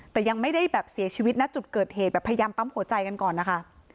แต่ยังไม่ได้แบบเสียชีวิตณจุดเกิดเหตุแบบพยายามปั๊มหัวใจกันก่อนนะคะ